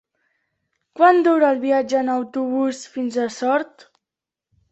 Quant dura el viatge en autobús fins a Sort?